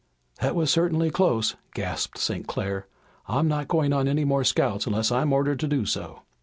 "That was certainly close," gasped St. Clair. "I'm not going on any more scouts unless I'm ordered to do so."